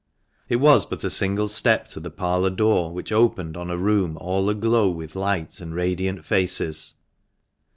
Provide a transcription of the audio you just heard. It was but a single step to the parlour door, which opened on a room all aglow with light, and radiant faces.